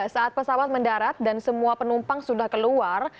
saat pesawat mendarat dan semua penumpang sudah keluar